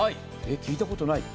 聞いたことない？